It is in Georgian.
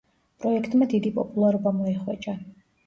პროექტმა დიდი პოპულარობა მოიხვეჭა.